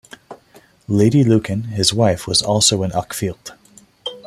Lady Lucan, his wife was also in Uckfield.